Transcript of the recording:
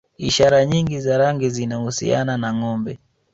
Ishara nyingi za rangi zinahusiana na Ngombe